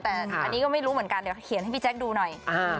แต่อันนี้ก็ไม่รู้เหมือนกันเดี๋ยวเขียนให้พี่แจ๊คดูหน่อย